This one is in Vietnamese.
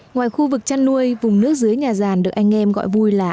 ngoài khu vực chăn nuôi vùng nước dưới nhà ràn được anh em gọi vui lạ